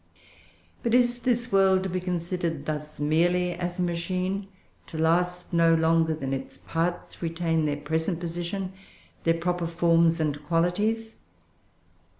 "But is this world to be considered thus merely as a machine, to last no longer than its parts retain their present position, their proper forms and qualities?